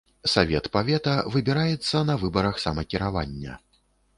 Савет павета выбіраецца на выбарах самакіравання.